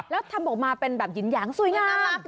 แล้วทำออกมาเป็นแบบหินหยางสวยงาม